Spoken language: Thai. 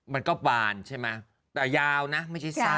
มันก็บานใช่ไหมแต่ยาวนะไม่ใช่ซาก